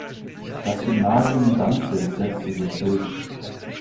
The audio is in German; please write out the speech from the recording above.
Das Gymnasium Danzig setzte sich durch.